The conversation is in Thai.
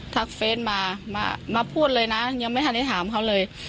ทักเฟรนด์มามามาพูดเลยนะยังไม่ทันให้ถามเขาเลย